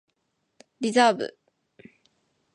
リザーブ